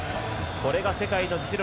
これが世界の実力。